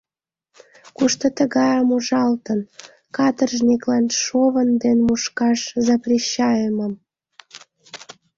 Кушто тыгайым ужалтын — каторжниклан шовын дене мушкаш запрещайымым?